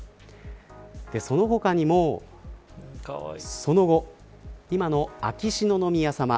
その他にもその後、今の秋篠宮さま